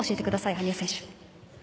羽生選手。